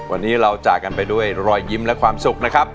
วันนี้เราจากกันไปด้วยรอยยิ้มและความสุขนะครับ